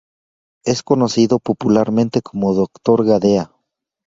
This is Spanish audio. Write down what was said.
Es conocido popularmente como Doctor Gadea.